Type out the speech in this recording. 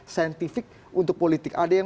sientifik untuk politik